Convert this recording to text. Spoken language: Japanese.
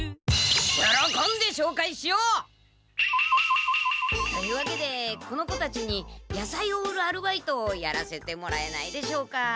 よろこんでしょうかいしよう！というわけでこの子たちにやさいを売るアルバイトをやらせてもらえないでしょうか？